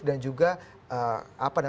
dan juga apa ya